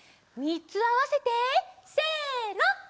みっつあわせてせの！